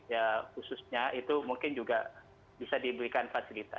ya khususnya itu mungkin juga bisa diberikan fasilitas